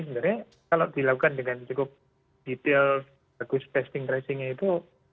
sebenarnya kalau dilakukan dengan cukup detail bagus testing tracingnya itu